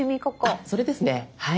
あっそれですねはい。